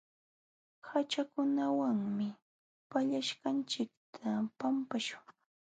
Haćhakunawanmi pallaśhqanchikta pampaśhun.